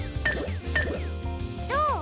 どう？